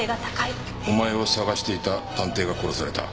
お前を捜していた探偵が殺された。